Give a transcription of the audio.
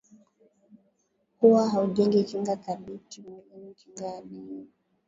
huwa haujengi kinga thabiti mwilini kinga ya daima